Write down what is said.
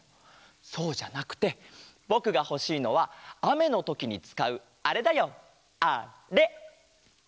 そうじゃなくてぼくがほしいのはあめのときにつかうあれだよあれ！